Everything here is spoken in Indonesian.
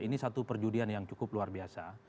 ini satu perjudian yang cukup luar biasa